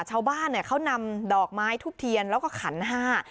ชาวบ้านเขานำดอกไม้ทุบเทียนและขันห้า